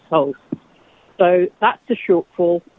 jadi itu adalah sebuah kekurangan